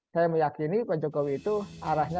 saya meyakini pak jokowi itu arahnya